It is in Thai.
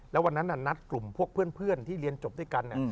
แล้ววันนั้นนัดกลุ่มพวกเพื่อนที่เรียนจบด้วยกัน